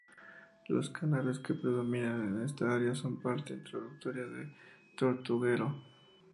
Los Canales que predominan en esta área son parte introductoria de Tortuguero.